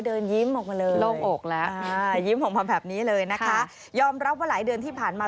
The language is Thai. เดินยิ้มออกมาเลยโล่งอกแล้วยิ้มออกมาแบบนี้เลยนะคะยอมรับว่าหลายเดือนที่ผ่านมา